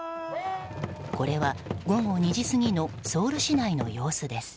これは、午後２時過ぎのソウル市内の様子です。